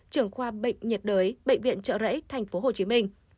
trưởng khoa bệnh nhiệt đới bệnh viện trợ rẫy tp hcm